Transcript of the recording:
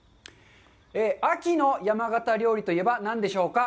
秋の山形料理といえば、何でしょうか。